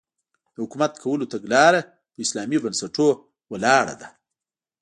د حکومت کولو تګلاره په اسلامي بنسټونو ولاړه ده.